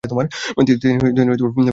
তিনি প্রচুর পশুপাখির ছবি আঁকেন।